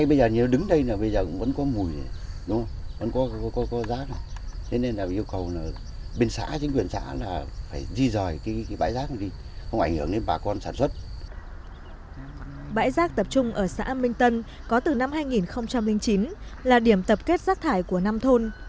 bãi rác tập trung ở xã minh tân có từ năm hai nghìn chín là điểm tập kết rác thải của năm thôn